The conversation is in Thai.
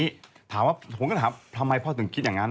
ผมถามก็ถามทำไมพ่อคิดอย่างนั้น